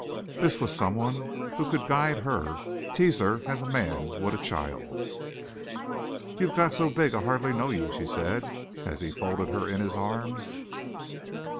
This was someone who could guide her, tease her as a man would a child. "You've got so big I hardly know you," she said, as he folded her in his arms.